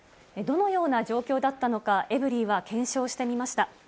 どのような状況だったのか、エブリィは検証してみました。